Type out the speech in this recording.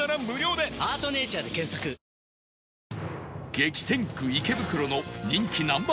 激戦区池袋の人気 Ｎｏ．